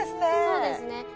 そうですね。